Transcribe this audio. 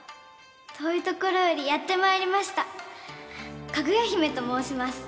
遠いところよりやって参りましたかぐや姫と申します。